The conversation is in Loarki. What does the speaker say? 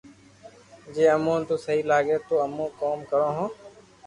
جوي امو نو سھيي لاگي تو امو ڪوم ڪرو ھون